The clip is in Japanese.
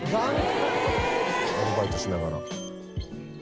アルバイトしながら。